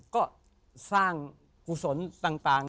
ก็สร้างกุศลต่าง